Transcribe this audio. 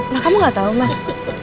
nah kamu gak tahu mas